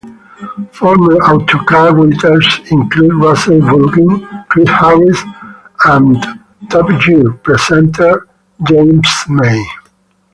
Former "Autocar" writers include Russell Bulgin, Chris Harris, and "Top Gear" presenter James May.